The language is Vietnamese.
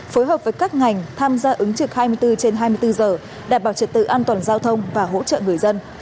phối hợp với các ngành tham gia ứng trực hai mươi bốn trên hai mươi bốn giờ đảm bảo trật tự an toàn giao thông và hỗ trợ người dân